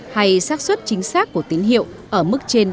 hay sát xuất chính xác của tín hiệu ở mức trên tám mươi năm